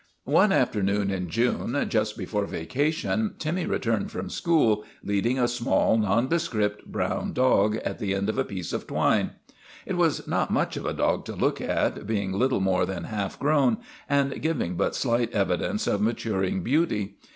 One afternoon in June, just before vacation, Timmy returned from school leading a small, non descript brown dog at the end of a piece of twine. It was not much of a dog to look at, being little more than half grown and giving but slight evidence of maturing beauty.